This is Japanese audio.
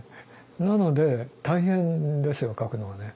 なので大変ですよ書くのはね。